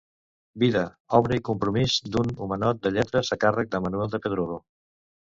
Vida, obra i compromís d'un homenot de lletres' a càrrec de Manuel de Pedrolo.